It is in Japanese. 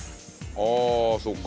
ああそっか。